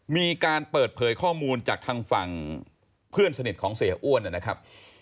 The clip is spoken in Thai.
มีการเปิดเผยข้อมูลจากทางฝั่งเพื่อนสนิทของเสียอ้วนนะครับ